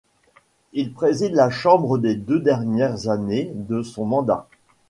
Il préside la Chambre les deux dernières années de son mandat.